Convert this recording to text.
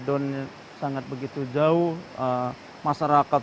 don sangat begitu jauh masyarakat sangat jauh masyarakat sangat jauh masyarakat sangat jauh masyarakat